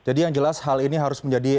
jadi yang jelas hal ini harus mendengarkan